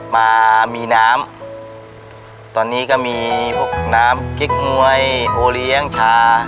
มามีน้ำตอนนี้ก็มีพวกน้ำกิ๊กมวยโอเลี้ยงชา